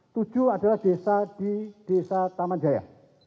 tujuh adalah desa di desa tamanjaya